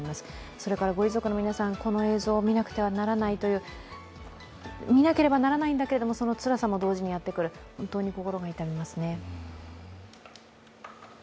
それからご遺族の皆さん、この映像を見なければならないんだけれどもそのつらさも同時にやってくる、本当に心が痛みますね。